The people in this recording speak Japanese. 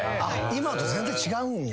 今と全然違うんや。